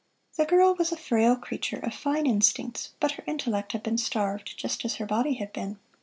The girl was a frail creature, of fine instincts, but her intellect had been starved just as her body had been.